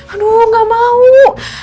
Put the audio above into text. aduh gak mau